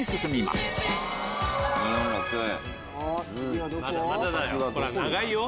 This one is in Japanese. まだまだだよ！